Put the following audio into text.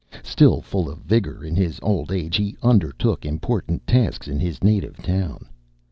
Still full of vigour in his old age, he undertook important tasks in his native town.